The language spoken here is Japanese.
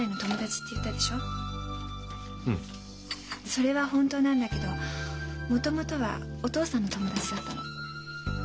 それは本当なんだけどもともとはお父さんの友達だったの。